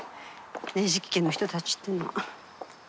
捻木家の人たちっていうのは。